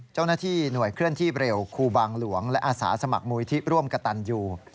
เจ้าหน้าที่หน่วยเคลื่อนที่เร็วครูบางหลวงและอาสาสมัครมูลที่ร่วมกระตันอยู่